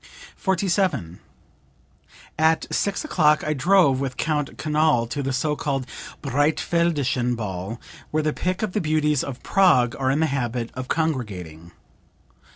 47. "At six o'clock I drove with Count Canal to the so called 'Breitfeldischen Ball' where the pick of the beauties of Prague are in the habit of congregating.